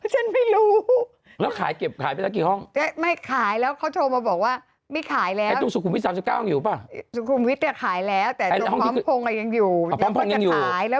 ฉันไม่รู้แล้วขายเก็บขายไปตั้งกี่ห้องไอ้สูงภูมิ๓๙ห้องอยู่ป่ะ